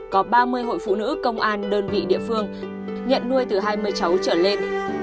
có ba mươi hội phụ nữ công an đơn vị địa phương nhận nuôi từ hai mươi cháu trở lên